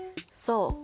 そう。